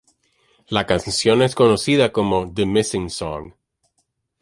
La canción es conocida como ""The Missing Song"".